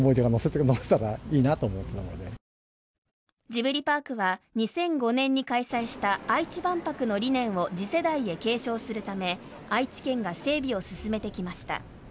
ジブリパークは２００５年に開催した愛知万博の理念を次世代へ継承するため愛知県が整備を進めてきました。